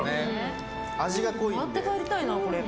持って帰りたいな、これ。